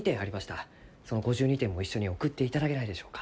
その５２点も一緒に送っていただけないでしょうか？